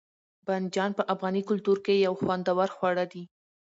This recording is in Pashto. بانجڼ په افغاني کلتور کښي یو خوندور خواړه دي.